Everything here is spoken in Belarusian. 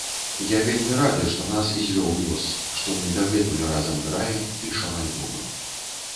Я вельмі рады, што нас звёў лёс, што мы дагэтуль разам граем, пішам альбомы.